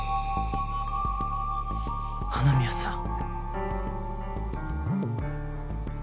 花宮さん。